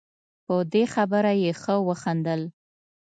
په دې خبره یې ښه وخندل.